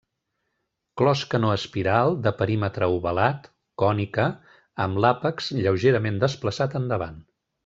Closca no espiral, de perímetre ovalat, cònica, amb l'àpex lleugerament desplaçat endavant.